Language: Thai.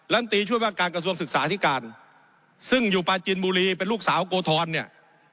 ันตีช่วยว่าการกระทรวงศึกษาที่การซึ่งอยู่ปลาจินบุรีเป็นลูกสาวโกธรเนี่ย